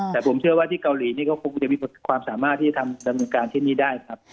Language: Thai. แต่ผมเชื่อว่าที่เกาหลีนี่ก็คงจะมีความสามารถที่จะทำดำเนินการที่นี่ได้ครับ